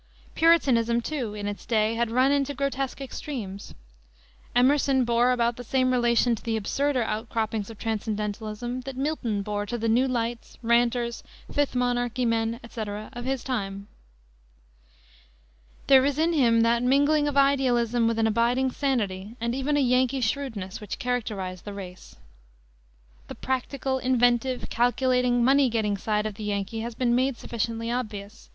Puritanism, too, in its day had run into grotesque extremes. Emerson bore about the same relation to the absurder outcroppings of transcendentalism that Milton bore to the New Lights, Ranters, Fifth Monarchy Men, etc., of his time. There is in him that mingling of idealism with an abiding sanity, and even a Yankee shrewdness, which characterizes the race. The practical, inventive, calculating, money getting side of the Yankee has been made sufficiently obvious.